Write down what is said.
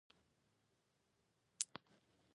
چا نه پوهېدل چې میرشو چیرې ځي.